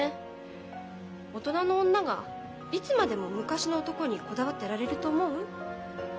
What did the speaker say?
大人の女がいつまでも昔の男にこだわってられると思う？